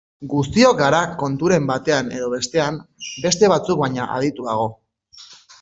Guztiok gara konturen batean edo bestean beste batzuk baino adituago.